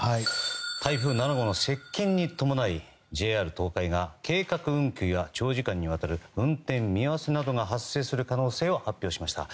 台風７号の接近に伴いＪＲ東海が計画運休や長時間にわたる運転見合わせなどが発生する可能性を発表しました。